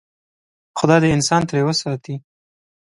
خدای دې انسان ترې وساتي.